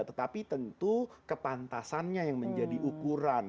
tetapi tentu kepantasannya yang menjadi ukuran